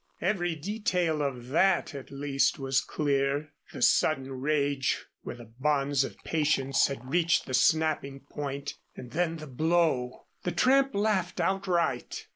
Every detail of that at least was clear; the sudden rage where the bonds of patience had reached the snapping point and then the blow. The tramp laughed outright.